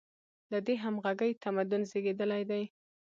له دې همغږۍ تمدن زېږېدلی دی.